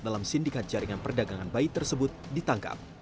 dalam sindikat jaringan perdagangan bayi tersebut ditangkap